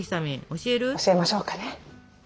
教えましょうかね。